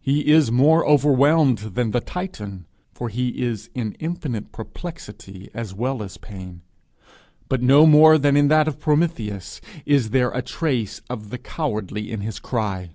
He is more overwhelmed than the Titan, for he is in infinite perplexity as well as pain; but no more than in that of Prometheus is there a trace of the cowardly in his cry.